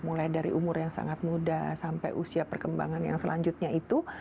mulai dari umur yang sangat muda sampai usia perkembangan yang selanjutnya itu